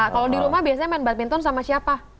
kalau di rumah biasanya main badminton sama siapa